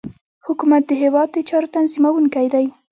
حکومت د هیواد د چارو تنظیمونکی دی